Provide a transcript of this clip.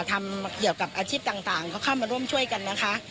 ทำเกี่ยวกับอาชีพต่างก็เข้ามาร่วมช่วยกันนะคะ